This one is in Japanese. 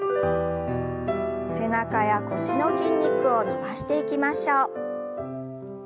背中や腰の筋肉を伸ばしていきましょう。